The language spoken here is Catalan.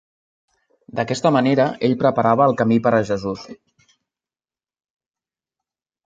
D'aquesta manera ell preparava el camí per a Jesús.